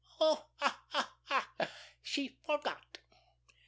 "Oh, ha, ha! She forgot."